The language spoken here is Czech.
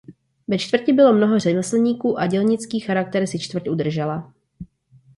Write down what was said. Ve čtvrti bylo mnoho řemeslníků a dělnický charakter si čtvrť udržela.